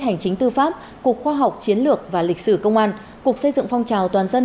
hành chính tư pháp cục khoa học chiến lược và lịch sử công an cục xây dựng phong trào toàn dân